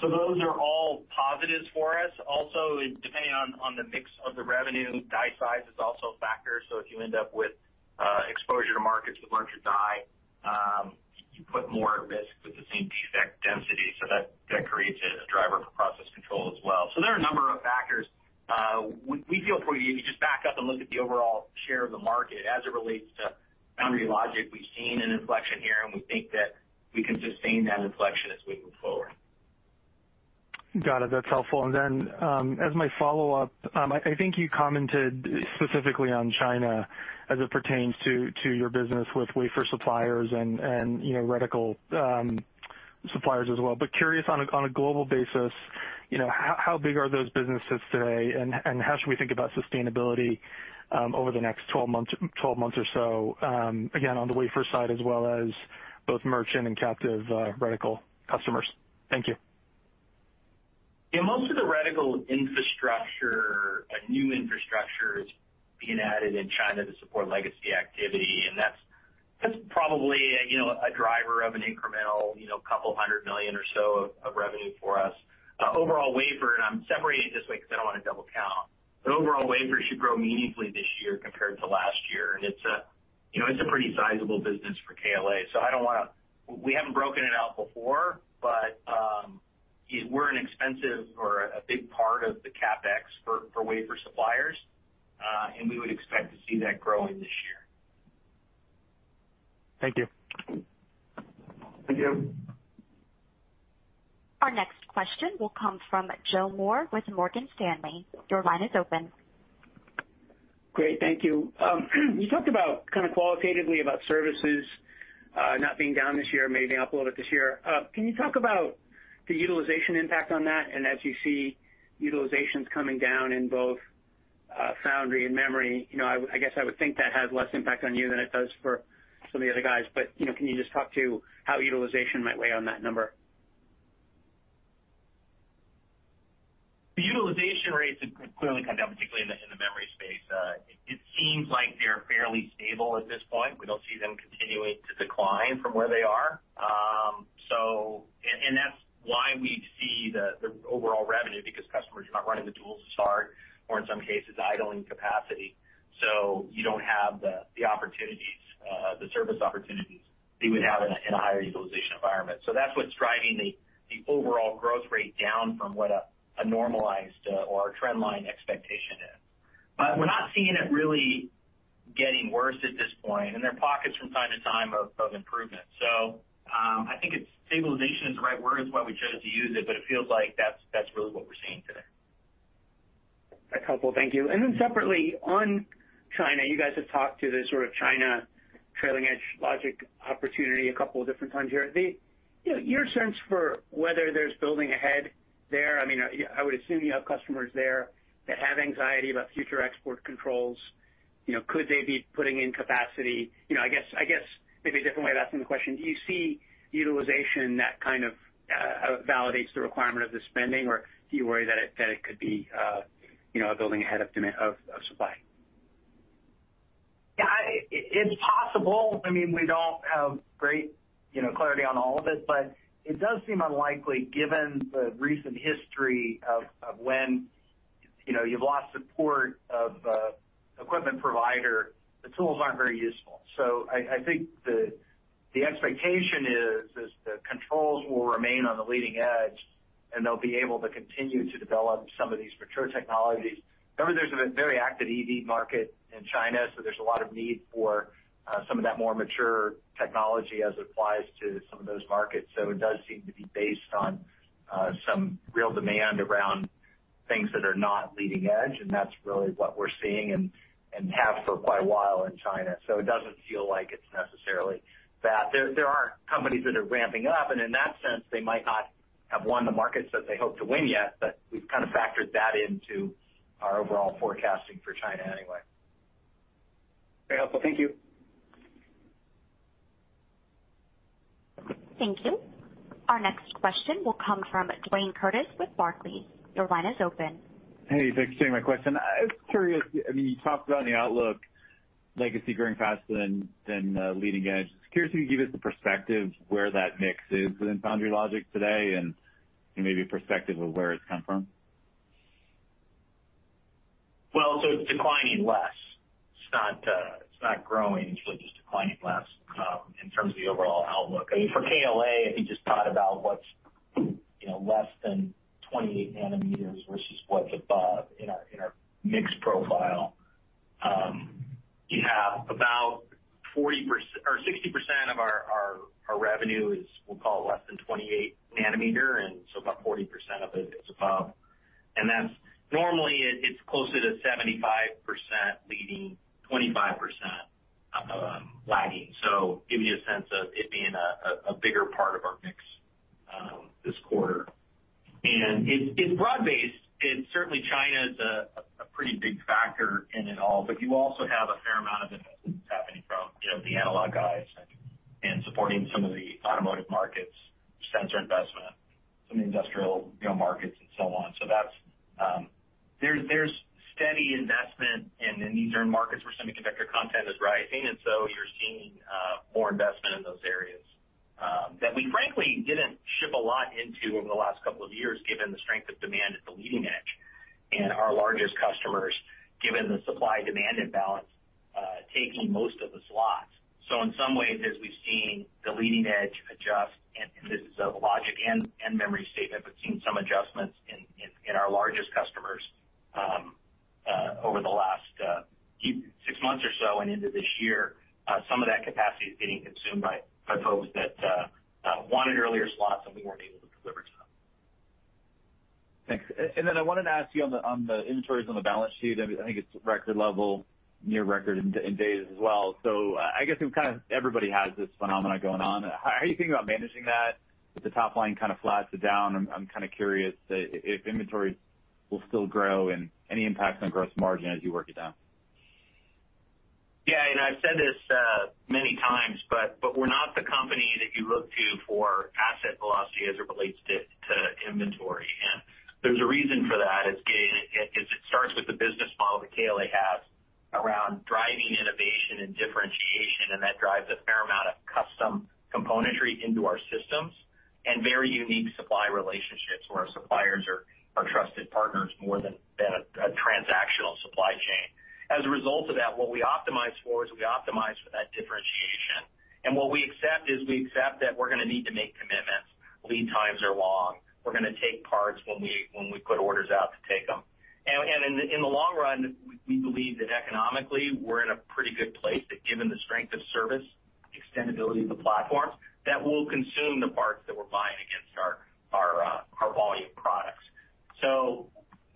Those are all positives for us. Depending on the mix of the revenue, die size is also a factor, so if you end up with exposure to markets with larger die, you put more at risk with the same chip effect density, so that creates a driver for process control as well. There are a number of factors. We feel for you, if you just back up and look at the overall share of the market as it relates to Foundry Logic, we've seen an inflection here, and we think that we can sustain that inflection as we move forward. Got it. That's helpful. As my follow-up, I think you commented specifically on China as it pertains to your business with wafer suppliers and, you know, reticle suppliers as well. Curious on a global basis, you know, how big are those businesses today, and how should we think about sustainability over the next 12 months or so, again, on the wafer side as well as both merchant and captive reticle customers? Thank you. Most of the reticle infrastructure, like new infrastructure, is being added in China to support legacy activity. That's probably a, you know, a driver of an incremental, you know, couple hundred million or so of revenue for us. Overall wafer, I'm separating it this way 'cause I don't wanna double count, overall wafer should grow meaningfully this year compared to last year. It's a, you know, it's a pretty sizable business for KLA. We haven't broken it out before, we're an expensive or a big part of the CapEx for wafer suppliers, we would expect to see that growing this year. Thank you. Thank you. Our next question will come from Joe Moore with Morgan Stanley. Your line is open. Great. Thank you. You talked about kind of qualitatively about services, not being down this year, maybe up a little bit this year. Can you talk about the utilization impact on that? As you see utilizations coming down in both, foundry and memory, you know, I guess I would think that has less impact on you than it does for some of the other guys, but, you know, can you just talk to how utilization might weigh on that number? The utilization rates have clearly come down, particularly in the memory space. It seems like they're fairly stable at this point. We don't see them continuing to decline from where they are. That's why we see the overall revenue because customers are not running the tools to start or in some cases idling capacity, so you don't have the opportunities, the service opportunities that you would have in a higher utilization environment. That's what's driving the overall growth rate down from what a normalized or a trend line expectation is. We're not seeing it really getting worse at this point, and there are pockets from time to time of improvement. I think it's stabilization is the right word. It's why we chose to use it, but it feels like that's really what we're seeing today. That's helpful. Thank you. Separately, on China, you guys have talked to the sort of China trailing edge logic opportunity a couple of different times here. The, you know, your sense for whether there's building ahead there, I mean, I would assume you have customers there that have anxiety about future export controls. You know, could they be putting in capacity? You know, I guess maybe a different way of asking the question, do you see utilization that kind of validates the requirement of the spending, or do you worry that it could be, you know, a building ahead of supply? Yeah, it's possible. I mean, we don't have great, you know, clarity on all of it, but it does seem unlikely given the recent history of when, you know, you've lost support of a equipment provider, the tools aren't very useful. I think the expectation is the controls will remain on the leading edge, and they'll be able to continue to develop some of these mature technologies. Remember, there's a very active EV market in China, there's a lot of need for some of that more mature technology as it applies to some of those markets. It does seem to be based on some real demand around things that are not leading edge, and that's really what we're seeing and have for quite a while in China. It doesn't feel like it's necessarily that. There are companies that are ramping up, and in that sense, they might not have won the markets that they hope to win yet, but we've kind of factored that into our overall forecasting for China anyway. Very helpful. Thank you. Thank you. Our next question will come from Blayne Curtis with Barclays. Your line is open. Hey, thanks for taking my question. I was curious, I mean, you talked about in the outlook, legacy growing faster than leading edge. Just curious if you could give us a perspective where that mix is within Foundry Logic today, and maybe a perspective of where it's come from. It's declining less. It's not, it's not growing, it's really just declining less, in terms of the overall outlook. I mean, for KLA, if you just thought about what's, you know, less than 28 nm versus what's above in our mix profile. About 60% of our revenue is, we'll call it less than 28 nm, and about 40% of it is above. That's normally it. It's closer to 75% leading, 25% lagging. Give you a sense of it being a bigger part of our mix, this quarter. It's broad-based, and certainly China is a pretty big factor in it all, but you also have a fair amount of investments happening from, you know, the analog guys and supporting some of the automotive markets, sensor investment, some industrial, you know, markets and so on. There's steady investment, and then these are markets where semiconductor content is rising, and so you're seeing more investment in those areas that we frankly didn't ship a lot into over the last couple of years, given the strength of demand at the leading edge and our largest customers, given the supply-demand imbalance, taking most of the slots. In some ways, as we've seen the leading edge adjust, this is a logic and memory statement, we've seen some adjustments in our largest customers, over the last six months or so and into this year. Some of that capacity is getting consumed by folks that wanted earlier slots, and we weren't able to deliver to them. Thanks. I wanted to ask you on the, on the inventories on the balance sheet, I think it's record level, near record in days as well. I guess it kind of everybody has this phenomena going on. How are you thinking about managing that? If the top line kind of flats it down, I'm kind of curious if inventory will still grow and any impacts on gross margin as you work it down. Yeah, you know, I've said this many times, but we're not the company that you look to for asset velocity as it relates to inventory. There's a reason for that. It starts with the business model that KLA has around driving innovation and differentiation, and that drives a fair amount of custom componentry into our systems and very unique supply relationships, where our suppliers are trusted partners more than a transactional supply chain. As a result of that, what we optimize for is we optimize for that differentiation. What we accept is we accept that we're going to need to make commitments. Lead times are long. We're going to take parts when we put orders out to take them. In the long run, we believe that economically, we're in a pretty good place that given the strength of service, extendability of the platform, that we'll consume the parts that we're buying against our volume products.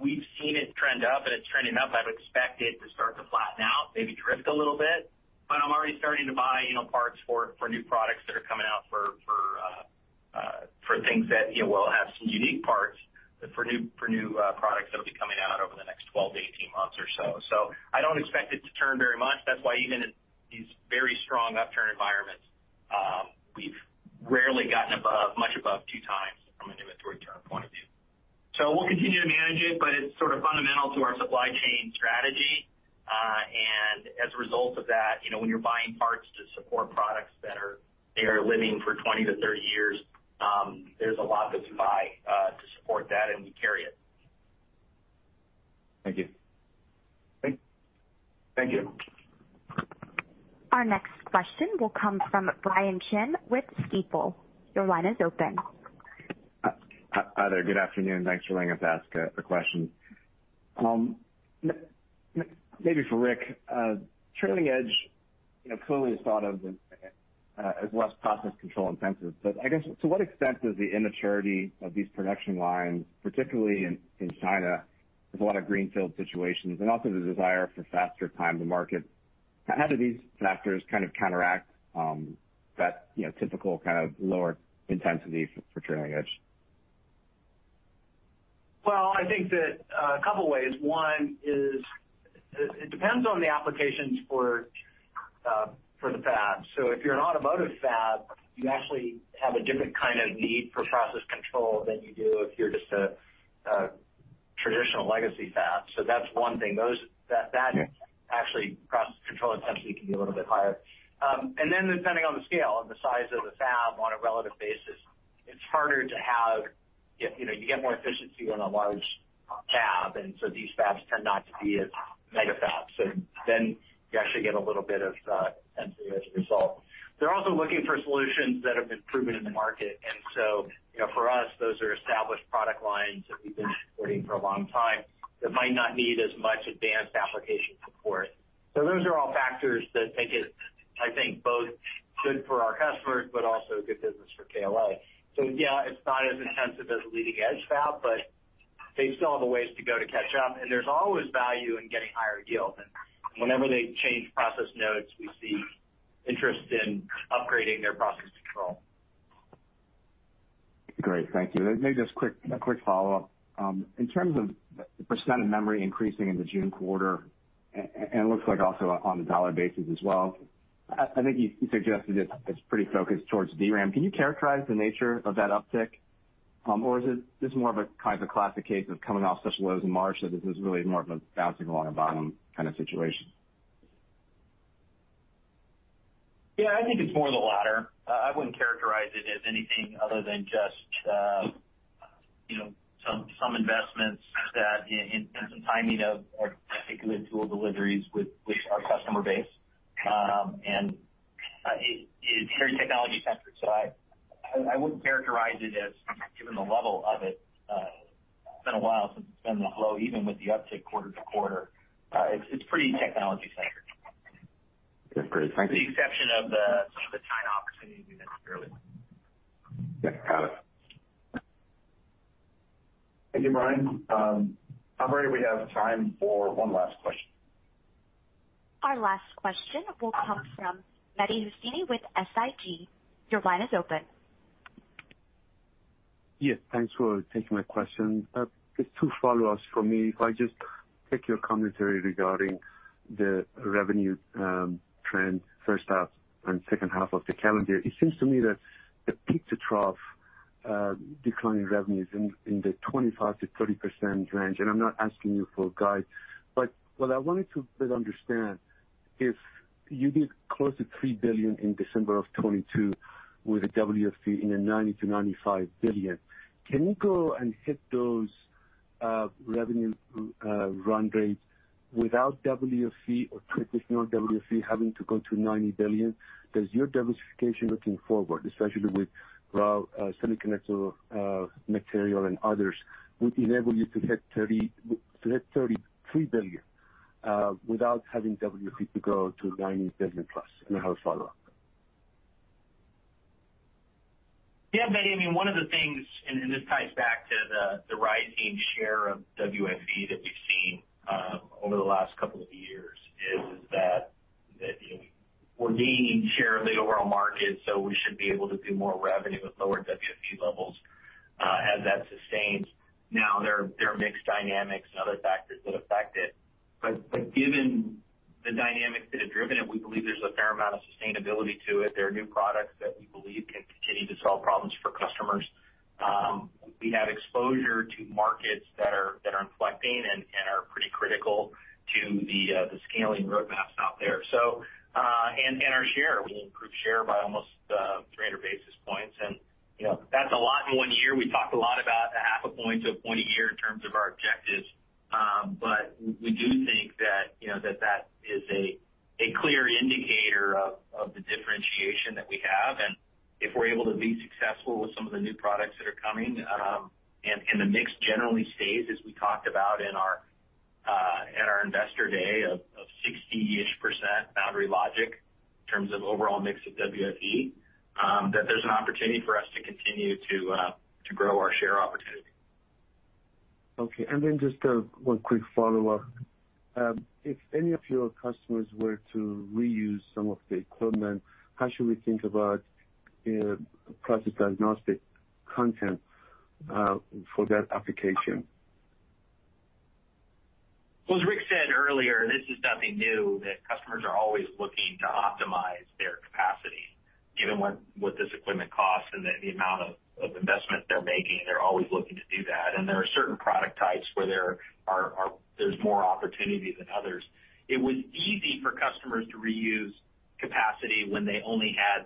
We've seen it trend up, and it's trending up. I would expect it to start to flatten out, maybe drift a little bit, but I'm already starting to buy, you know, parts for new products that are coming out for things that, you know, will have some unique parts for new products that'll be coming out over the next 12 to 18 months or so. I don't expect it to turn very much. That's why even in these very strong upturn environments, we've rarely gotten above, much above 2x from an inventory turn point of view. We'll continue to manage it, but it's sort of fundamental to our supply chain strategy. As a result of that, you know, when you're buying parts to support products they are living for 20 to 30 years, there's a lot to buy to support that, and we carry it. Thank you. Thank you. Our next question will come from Brian Chin with Stifel. Your line is open. Hi, there. Good afternoon. Thanks for letting us ask a question. Maybe for Rick. Trailing edge, you know, clearly is thought of as less process control intensive. I guess to what extent does the immaturity of these production lines, particularly in China, there's a lot of greenfield situations and also the desire for faster time to market. How do these factors kind of counteract, that, you know, typical kind of lower intensity for trailing edge? Well, I think that a couple ways. One is it depends on the applications for the fab. If you're an automotive fab, you actually have a different kind of need for process control than you do if you're just a traditional legacy fab. That's one thing. That actually, process control intensity can be a little bit higher. Then depending on the scale and the size of the fab on a relative basis, it's harder to have, if, you know, you get more efficiency on a large fab, and so these fabs tend not to be as mega fabs. Then you actually get a little bit of intensity as a result. They're also looking for solutions that have been proven in the market. You know, for us, those are established product lines that we've been supporting for a long time that might not need as much advanced application support. Those are all factors that make it, I think, both good for our customers, but also good business for KLA. Yeah, it's not as intensive as a leading edge fab, but they still have a ways to go to catch up. There's always value in getting higher yield. Whenever they change process nodes, we see interest in upgrading their process control. Great. Thank you. Maybe just quick, a quick follow-up. In terms of the % of memory increasing in the June quarter, and it looks like also on a $ basis as well, I think you suggested it's pretty focused towards DRAM. Can you characterize the nature of that uptick? Is it just more of a kind of a classic case of coming off such lows in March that this is really more of a bouncing along the bottom kind of situation? Yeah, I think it's more the latter. I wouldn't characterize it as anything other than just, you know, some investments that, and some timing of particularly tool deliveries with our customer base. It's very technology-centric, so I wouldn't characterize it as given the level of it. It's been a while since it's been this low, even with the uptick quarter to quarter. It's pretty technology-centric. Yes, great. Thank you. With the exception of some of the China opportunities we missed earlier. Yeah, got it. Thank you, Brian. Operator, we have time for one last question. Our last question will come from Mehdi Hosseini with SIG. Your line is open. Yes, thanks for taking my question. It's two follow-ups from me. If I just take your commentary regarding the revenue trends first half and second half of the calendar. It seems to me that the peak to trough decline in revenue is in the 25%-30% range, and I'm not asking you for a guide, but what I wanted to better understand, if you did close to $3 billion in December of 2022 with a WFE in the $90 billion-$95 billion, can you go and hit those revenue run rates without WFE or traditional WFE having to go to $90 billion? Does your diversification looking forward, especially with, well, semiconductor material and others, would enable you to hit 30, to hit $33 billion without having WFE to grow to $90 billion plus? I have a follow-up. Yeah, Mehdi, I mean, one of the things, and this ties back to the rising share of WFE that we've seen over the last couple of years, is that, you know, we're gaining share of the overall market, so we should be able to do more revenue with lower WFE levels as that sustains. There are mix dynamics and other factors that affect it, but given the dynamics that have driven it, we believe there's a fair amount of sustainability to it. There are new products that we believe can continue to solve problems for customers. We have exposure to markets that are inflecting and are pretty critical to the scaling roadmaps out there. Our share, we improved share by almost 300 basis points and, you know, that's a lot in one year. We talked a lot about a half a point to a point a year in terms of our objectives. We do think that, you know, that that is a clear indicator of the differentiation that we have. If we're able to be successful with some of the new products that are coming, and the mix generally stays as we talked about in our at our investor day of 60-ish % foundry logic in terms of overall mix of WFE, that there's an opportunity for us to continue to grow our share opportunity. Okay. Just, one quick follow-up. If any of your customers were to reuse some of the equipment, how should we think about, you know, process diagnostic content, for that application? Well, as Rick said earlier, this is nothing new that customers are always looking to optimize their capacity. Given what this equipment costs and the amount of investment they're making, they're always looking to do that. There are certain product types where there's more opportunity than others. It was easy for customers to reuse capacity when they only had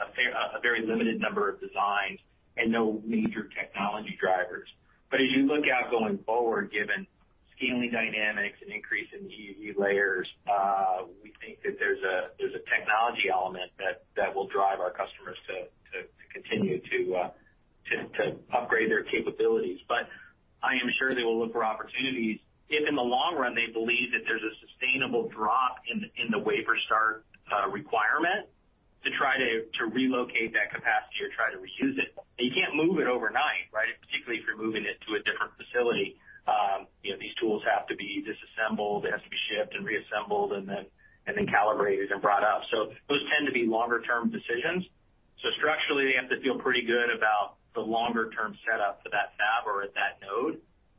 a very limited number of designs and no major technology drivers. As you look out going forward, given scaling dynamics and increase in EUV layers, we think that there's a technology element that will drive our customers to continue to upgrade their capabilities. I am sure they will look for opportunities if in the long run they believe that there's a sustainable drop in the wafer start requirement to try to relocate that capacity or try to reuse it. You can't move it overnight, right? Particularly if you're moving it to a different facility. you know, these tools have to be disassembled, it has to be shipped and reassembled and then calibrated and brought up. Those tend to be longer term decisions. Structurally, they have to feel pretty good about the longer term setup for that fab or at that node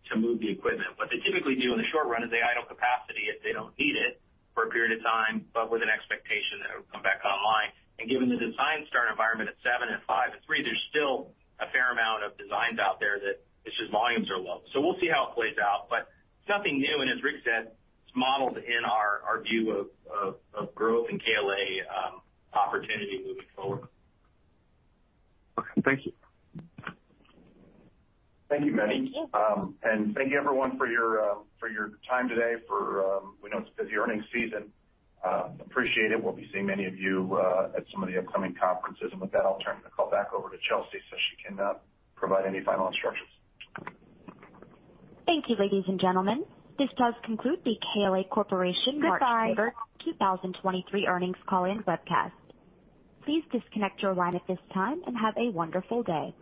to move the equipment. What they typically do in the short run is they idle capacity if they don't need it for a period of time, but with an expectation that it'll come back online. Given the design start environment at seven and five and three, there's still a fair amount of designs out there that it's just volumes are low. We'll see how it plays out, but it's nothing new. As Rick said, it's modeled in our view of, of growth and KLA opportunity moving forward. Okay. Thank you. Thank you, Mehdi. Thank you everyone for your time today. We know it's a busy earnings season. Appreciate it. We'll be seeing many of you at some of the upcoming conferences. With that, I'll turn the call back over to Chelsea so she can provide any final instructions. Thank you, ladies and gentlemen. This does conclude the KLA Corporation March quarter 2023 earnings call and webcast. Please disconnect your line at this time and have a wonderful day.